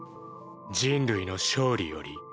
人類の勝利より？